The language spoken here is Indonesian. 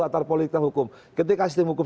atar politik dan hukum ketika sistem hukum